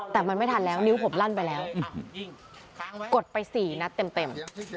แต่มันไม่ทันแล้วนิ้วผมลั่นไปแล้วกดไป๔นัดเต็ม